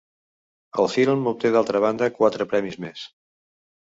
El film obté d'altra banda quatre premis més.